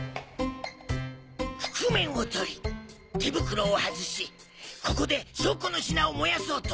覆面を取り手袋を外しここで証拠の品を燃やそうと。